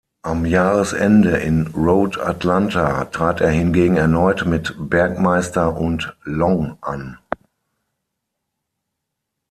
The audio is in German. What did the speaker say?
Am Jahresende in Road Atlanta trat er hingegen erneut mit Bergmeister und Long an.